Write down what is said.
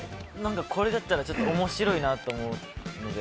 これだったら面白いなと思うので。